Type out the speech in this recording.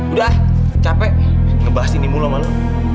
udah capek ngebahas ini mulu sama lo